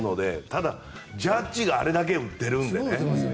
ただ、ジャッジがあれだけ打っているんでね。